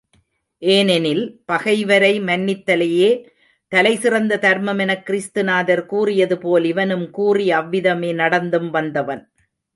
ஏனெனில் பகைவரை மன்னித்தலையே தலைசிறந்த தர்மமெனக் கிறிஸ்து நாதர் கூறியதுபோல் இவனும் கூறி, அவ்விதமே நடந்தும் வந்தவன்.